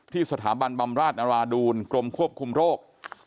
สถาบันบำราชนราดูลกรมควบคุมโรค